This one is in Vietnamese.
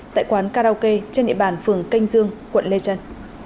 tại quán karaoke trên địa bàn phường canh dương quận lê trân